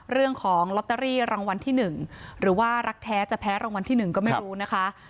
เรื่องของลอตเตอรี่รางวัลที่๑หรือว่ารักแท้จะแพ้รางวัลที่๑ก็ไม่รู้นะคะ